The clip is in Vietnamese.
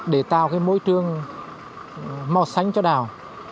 để tạo môi trường màu xanh cho đảo